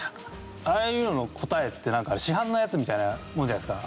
ああいうのの答えって市販のやつみたいなもんじゃないですか。